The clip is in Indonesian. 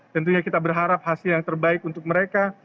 tentunya kita berharap hasil yang terbaik untuk mereka